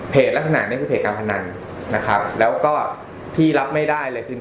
ลักษณะนี้คือเพจการพนันนะครับแล้วก็ที่รับไม่ได้เลยคือ